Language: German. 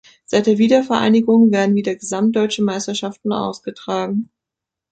Seit der Wiedervereinigung werden wieder gesamtdeutsche Meisterschaften ausgetragen.